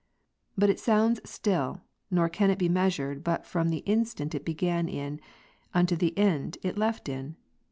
But it sounds still, nor can it be measured but from the instant it began in, unto the end it left in.